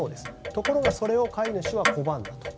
ところがそれを飼い主は拒んだと。